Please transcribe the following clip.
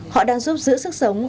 họ đang giúp giữ sức sống